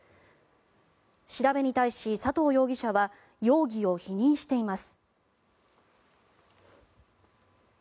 調べに対し佐藤容疑者は容疑を否認しています。